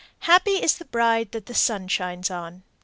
Happy is the bride that the sun shines on.